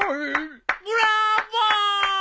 ブラボー！